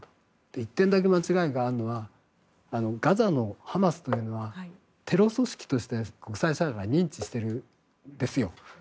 １点だけ間違いがあるのはガザのハマスというのはテロ組織として国際社会は認知しているんですよ。